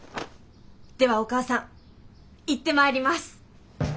ではお母さん行ってまいります。